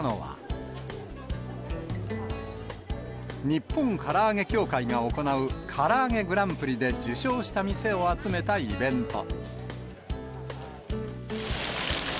日本唐揚協会が行う、からあげグランプリで受賞した店を集めたイベント。